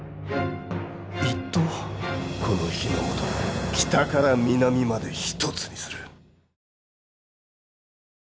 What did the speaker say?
この日ノ本を北から南まで一つにする。